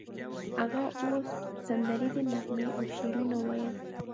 هغه اوس سندریزې نغمې او شعرونه ویل